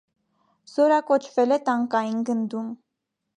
Զորակոչվել է տանկային գնդում։